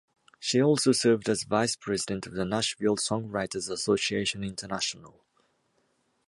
She also served as vice president of the Nashville Songwriters Association International.